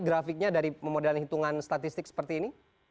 grafiknya dari pemodelan perhitungan statistik seperti ini